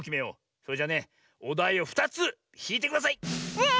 それじゃねおだいを２つひいてください！スイ！